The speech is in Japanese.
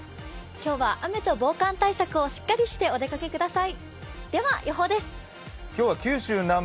今日は雨と防寒対策をしっかりしてお出かけください。